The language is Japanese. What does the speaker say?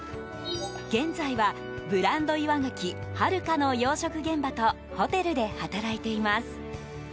現在は、ブランド岩ガキ春香の養殖現場とホテルで働いています。